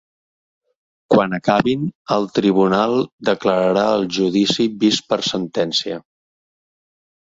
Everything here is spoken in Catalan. Quan acabin, el tribunal declararà el judici vist per sentència.